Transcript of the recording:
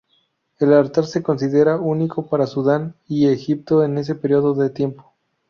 El altar se considera único para Sudán y Egipto en ese período de tiempo.